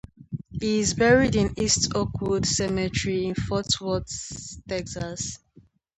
He is buried in East Oakwood Cemetery in Fort Worth, Texas.